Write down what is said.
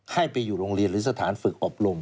ให้ไปอยู่โรงเรียนหรือสถานฝึกอบรม